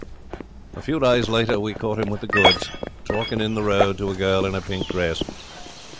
'A few days later we caught him with the goods, talking in the road to a girl in a pink dress.